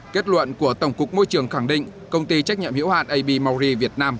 kết luận của tổng cục môi trường khẳng định công ty trách nhiệm hữu hạn abmauri việt nam